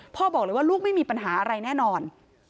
พ่อบอกเลยว่าลูกไม่มีปัญหาอะไรแน่นอน